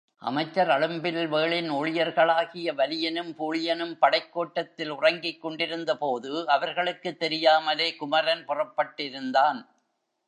அமைச்சர் அழும்பில்வேளின் ஊழியர்களாகிய வலியனும் பூழியனும் படைக்கோட்டத்தில் உறங்கிக் கொண்டிருந்தபோது அவர்களுக்குத் தெரியாமலே குமரன் புறப்பட்டிருந்தான்.